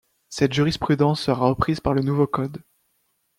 Cette jurisprudence sera reprise par le nouveau Code.